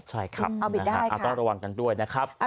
ใช่ครับต้องระวังกันด้วยนะครับเอาผิดได้ค่ะ